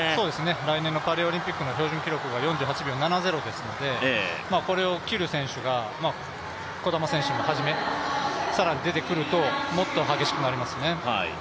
来年のパリオリンピックの標準記録が、４８秒７０ですので、これを切る選手が児玉選手をはじめ更に出てくるともっと激しくなりますね。